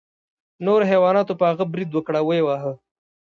نورو حیواناتو په هغه برید وکړ او ویې واهه.